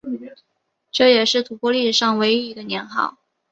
这也是吐蕃历史上唯一一个年号。